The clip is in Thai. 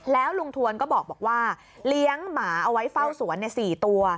แล้วลุงทวนก็บอกว่าเลี้ยงหมาเอาไว้เฝ้าสวน๔ตัว